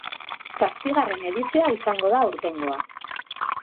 Zazpigarren edizioa izango da aurtengoa.